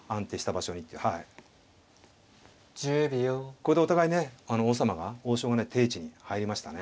これでお互いね王様が王将がね定位置に入りましたね。